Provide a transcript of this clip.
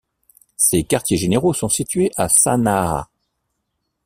Ses quartiers-généraux sont situés à Sanaa.